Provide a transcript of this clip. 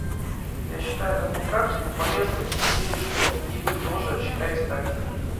Я считаю такую практику полезной и надеюсь, что и вы тоже считаете так же.